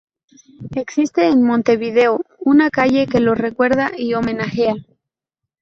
Existe en Montevideo una calle que lo recuerda y homenajea